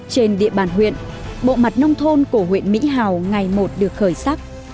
trên địa bàn huyện bộ mặt nông thôn của huyện mỹ hào ngày một được khởi sắc